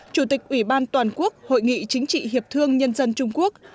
chủ tịch ủy ban toàn quốc hội nghị chính trị hiệp thương nhân dân trung quốc